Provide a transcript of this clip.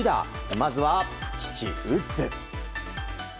まずは父ウッズ。